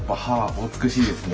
お美しいですね。